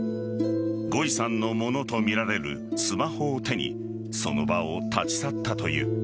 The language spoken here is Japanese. ゴイさんのものとみられるスマホを手にその場を立ち去ったという。